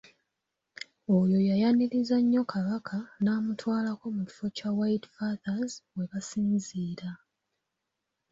Oyo yayaniriza nnyo Kabaka n'amutwalako mu kifo kya White Fathers we basinziira.